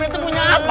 itu punya apa